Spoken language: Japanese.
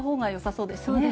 そうですね。